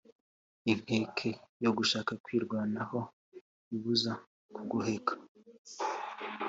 Inkeke yo gushaka kwirwanaho ibuza kugoheka,